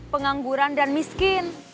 pengangguran dan miskin